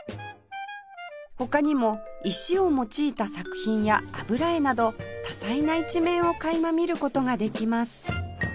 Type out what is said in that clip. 他にも石を用いた作品や油絵など多才な一面を垣間見る事ができます